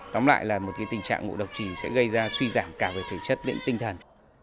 tóm lại là một tình trạng ngộ độc trì sẽ gây ra suy giảm cả về thể chất lẫn tinh thần